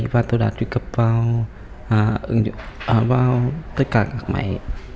và tôi đã truy cập vào tất cả các máy